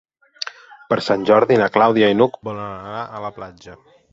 Per Sant Jordi na Clàudia i n'Hug volen anar a la platja.